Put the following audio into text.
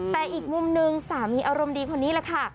แต่อีกมุมหนึ่งสามีอารมณ์ดีคนนี้แหละค่ะ